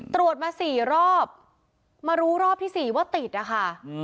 ตรวจมา๔รอบมารู้รอบที่๔ว่าติดนะคะ